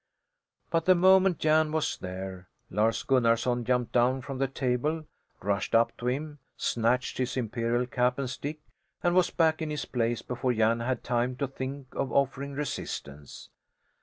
But the moment Jan was there Lars Gunnarsom jumped down from the table, rushed up to him, snatched his imperial cap and stick and was back in his place before Jan had time to think of offering resistance.